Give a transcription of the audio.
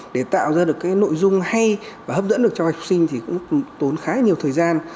để tạo ra được cái nội dung hay và hấp dẫn được cho học sinh thì cũng tốn khá là nhiều thời gian